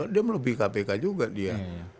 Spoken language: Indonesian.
dia melebihi kpk juga dia